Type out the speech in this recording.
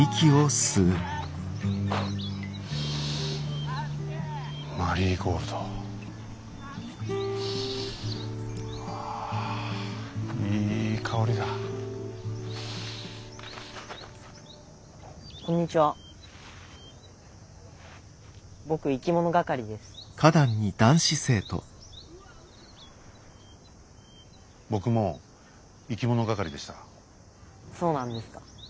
そうなんですか。